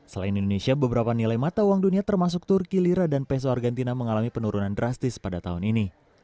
selain indonesia beberapa nilai mata uang dunia termasuk turki lira dan peso argentina mengalami penurunan drastis pada tahun ini